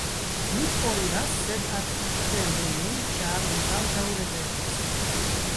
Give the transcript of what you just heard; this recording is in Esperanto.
Mi foriras, sed atendu min, ĉar mi baldaŭ revenos.